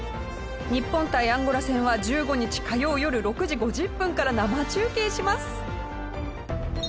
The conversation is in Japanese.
日本対アンゴラ戦は１５日火曜よる６時５０分から生中継します！